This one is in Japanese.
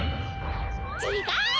ちがう！